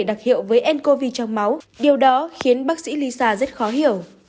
các bệnh nhân trẻ đặc hiệu với ncov trong máu điều đó khiến bác sĩ lisa rất khó hiểu